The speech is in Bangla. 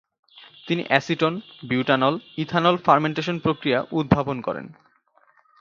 তিনি এসিটন-বিউটানল-ইথানল ফার্মেন্টেশন প্রক্রিয়া উদ্ভাবন করেন।